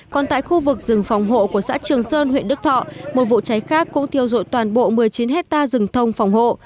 còn tại khu vực rừng phòng hộ của xã trường sơn huyện đức thọ một vụ cháy khác cũng thiêu dụi toàn bộ một mươi chín hectare rừng thông phòng hộ